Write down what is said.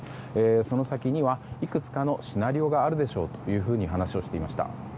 その先にはいくつかのシナリオがあるでしょうというふうに話をしていました。